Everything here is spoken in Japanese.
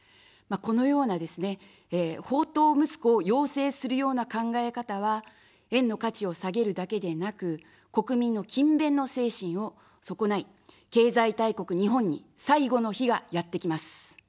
このようなですね、放とう息子を養成するような考え方は、円の価値を下げるだけでなく、国民の勤勉の精神を損ない、経済大国日本に最後の日がやってきます。